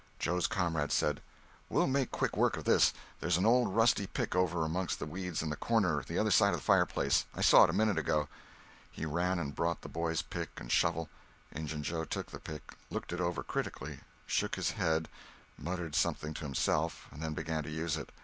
Joe's comrade said: "We'll make quick work of this. There's an old rusty pick over amongst the weeds in the corner the other side of the fireplace—I saw it a minute ago." He ran and brought the boys' pick and shovel. Injun Joe took the pick, looked it over critically, shook his head, muttered something to himself, and then began to use it.